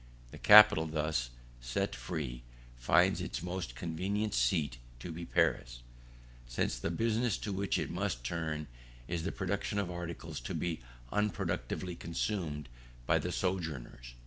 The capital thus set free, finds its most convenient seat to be Paris, since the business to which it must turn is the production of articles to be unproductively consumed by the sojourners.